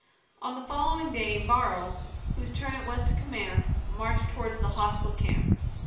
On the following day Varro, whose turn it was to command, marched towards the hostile camp.